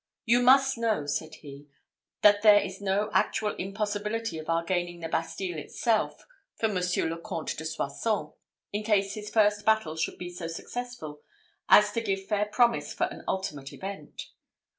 "You must know," said he, "that there is no actual impossibility of our gaining the Bastille itself for Monsieur le Comte de Soissons, in case his first battle should be so successful as to give fair promise for the ultimate event.